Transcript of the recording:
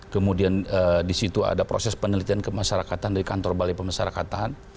kemudian di situ ada proses penelitian kemasyarakatan dari kantor balai pemasarakatan